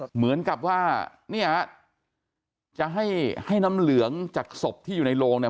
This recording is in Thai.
เหมือนกับว่าเนี่ยจะให้ให้น้ำเหลืองจากศพที่อยู่ในโรงเนี่ย